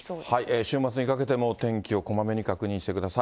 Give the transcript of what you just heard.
週末にかけても天気をこまめに確認してください。